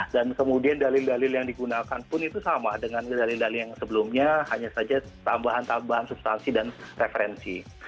dan kemudian dalil dalil yang digunakan pun itu sama dengan dalil dalil yang sebelumnya hanya saja tambahan tambahan substansi dan referensi